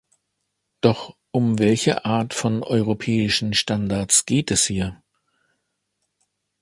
Doch um welche Art von europäischen Standards geht es hier?